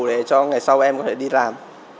để cho ngày sau em có thể đi làm